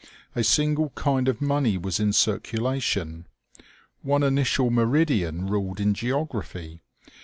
A single kind of money was in circulation. One initial meridian ruled in geography.